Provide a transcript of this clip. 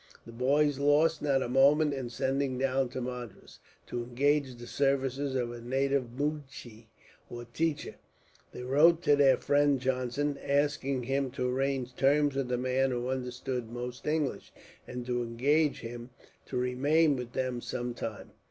The boys lost not a moment in sending down to Madras, to engage the services of a native "moonshee" or teacher. They wrote to their friend Johnson, asking him to arrange terms with the man who understood most English, and to engage him to remain with them some time.